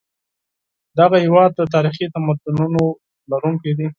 دغه هېواد د تاریخي تمدنونو لرونکی دی.